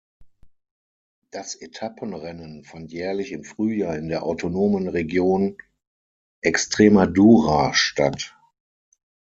Das Etappenrennen fand jährlich im Frühjahr in der Autonomen Region Extremadura statt.